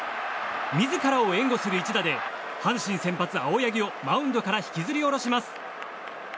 自らを援護する一打で阪神先発、青柳をマウンドから引きずり降ろします。